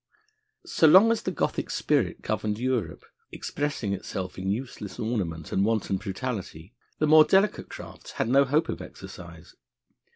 So long as the Gothic spirit governed Europe, expressing itself in useless ornament and wanton brutality, the more delicate crafts had no hope of exercise.